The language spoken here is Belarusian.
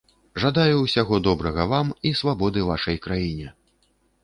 Жадаю усяго добрага вам і свабоды вашай краіне.